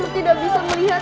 aku tidak bisa melihat